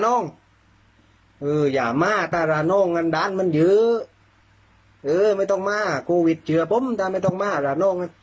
เขาจะคุยกับโควิดรู้เรื่องหรือเปล่า